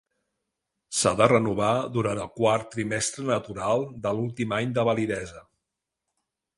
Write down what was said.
S'ha de renovar durant el quart trimestre natural de l'últim any de validesa.